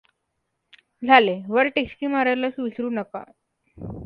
झाले वर टिचकी मारायला विसरू नका.